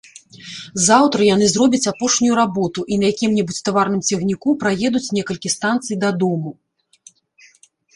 Заўтра яны зробяць апошнюю работу і на якім-небудзь таварным цягніку праедуць некалькі станцый дадому.